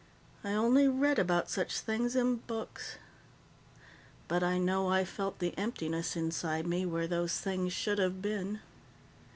I only read about such things in books. But I know I felt the emptiness inside me where those things should have been.